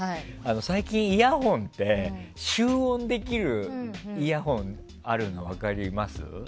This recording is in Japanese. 最近イヤホンって集音できるイヤホンあるの分かります？